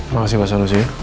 makasih pak sanusi ya